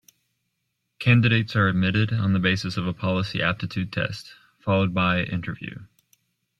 Candidates are admitted on the basis of a Policy Aptitude Test, followed by interview.